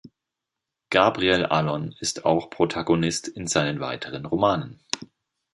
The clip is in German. Gabriel Allon ist auch Protagonist in seinen weiteren Romanen.